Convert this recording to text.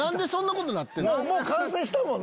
もう完成したもんな。